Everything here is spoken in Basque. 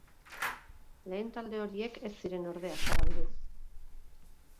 Lehen talde horiek ez ziren ordea zabaldu.